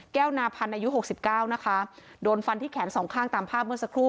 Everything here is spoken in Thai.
นาพันธ์อายุหกสิบเก้านะคะโดนฟันที่แขนสองข้างตามภาพเมื่อสักครู่